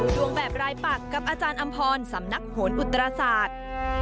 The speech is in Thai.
ดวงแบบรายปักกับอาจารย์อำพรสำนักโหนอุตราศาสตร์